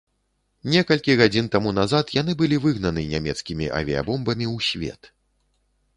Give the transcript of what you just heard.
Некалькі гадзін таму назад яны былі выгнаны нямецкімі авіябомбамі ў свет.